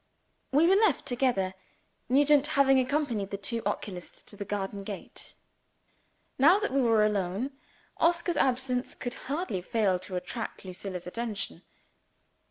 WE were left together; Nugent having accompanied the two oculists to the garden gate. Now that we were alone, Oscar's absence could hardly fail to attract Lucilla's attention.